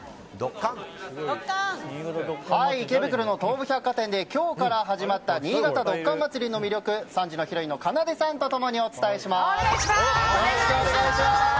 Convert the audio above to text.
池袋の東武百貨店で今日から始まった新潟ドッカン祭りの魅力を３時のヒロインのかなでさん共にお願いします！